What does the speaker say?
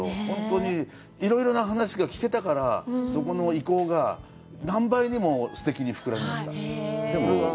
本当にいろいろな話が聞けたから、そこの遺構が何倍にもすてきに膨らみました。